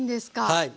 はい。